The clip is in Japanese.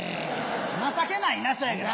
情けないなそやけど。